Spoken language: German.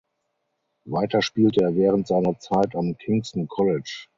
Weiter spielte er während seiner Zeit am Kingston College.